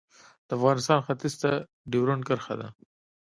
د افغانستان ختیځ ته ډیورنډ کرښه ده